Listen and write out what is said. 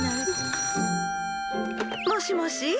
☎もしもし。